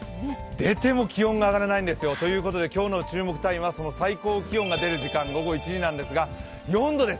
出ても気温が上がらないんですよ。ということで、今日の注目タイムは最高気温が出る時間、午後１時なんですが、４度です。